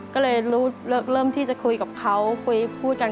ก็เลยเริ่มที่จะคุยกับเขาคุยพูดกัน